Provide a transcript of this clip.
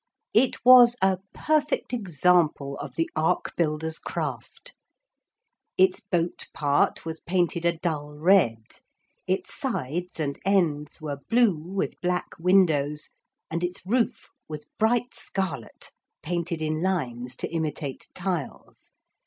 It was a perfect example of the ark builder's craft. Its boat part was painted a dull red, its sides and ends were blue with black windows, and its roof was bright scarlet, painted in lines to imitate tiles.